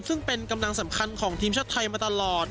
ซึ่งเป็นกำลังสำคัญของทีมชาติไทยมาตลอด